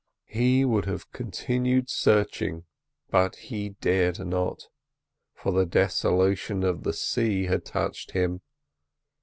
He would have continued searching, but he dared not, for the desolation of the sea had touched him.